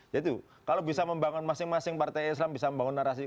ya itu kalau bisa membangun masing masing partai islam bisa membangun narasi